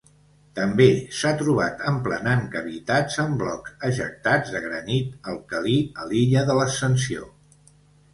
També s'ha trobat emplenant cavitats en blocs ejectats de granit alcalí a l'illa de l'Ascensió.